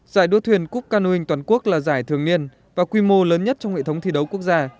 giải đua thuyền cấp cơ nui ính toàn quốc là giải thường niên và quy mô lớn nhất trong hệ thống thi đấu quốc gia